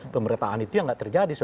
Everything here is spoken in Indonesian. pemerataan itu yang nggak terjadi